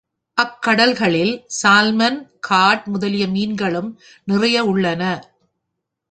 அக் கடல்களில் salmon, cod முதலிய மீன்களும் நிறைய உள்ளன.